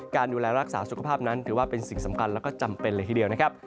การดูแลรักษาสุขภาพนั้นถือว่าเป็นสิ่งสำคัญแล้วก็จำเป็นเลยทีเดียวนะครับ